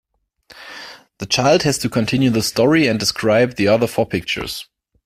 The child has to continue the story and describe the other four pictures.